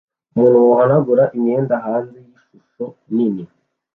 Umuntu wohanagura imyanda hanze yishusho nini